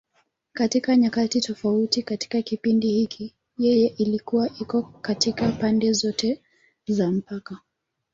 Katika nyakati tofauti katika kipindi hiki, yeye ilikuwa iko katika pande zote za mpaka.